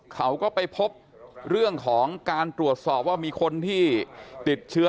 เขาก็ไปพบเรื่องของการตรวจสอบว่ามีคนที่ติดเชื้อ